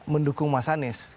mendukung mas anies